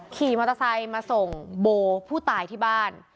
ขี่มอเตอร์ไซค์มาส่งโบผู้ตายที่บ้าน